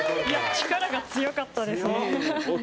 力が強かったです。